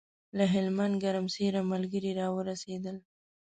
له هلمند ګرمسېره ملګري راورسېدل.